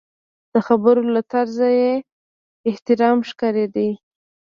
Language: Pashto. د خبرو له طرزه یې احترام ښکارېده.